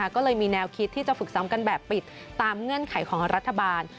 ก็เลยมีแนวคิดที่จะฝึกซ้อมกันแบบปิดตามเงื่อนไขของรัฐบาล